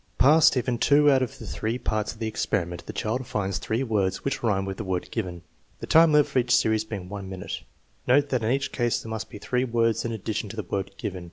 Passed if in two out of the three parts of the experiment the child finds three words which rhyme with the word given, the time limit for each series being one minute. Note that in each case there must be three words in addition to the word given.